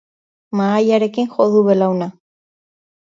Mahaiarekin jo du belauna